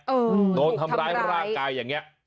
โดนทำร้ายร่างกายอย่างนี้